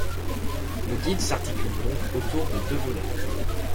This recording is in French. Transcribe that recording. Le guide s’articule donc autour de deux volets.